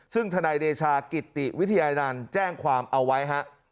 ซึ่งทเดชากิติวิทยานานแจ้งความเอาไว้